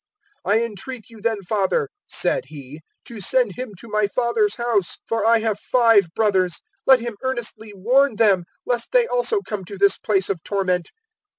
016:027 "`I entreat you then, father,' said he, `to send him to my father's house. 016:028 For I have five brothers. Let him earnestly warn them, lest they also come to this place of torment.'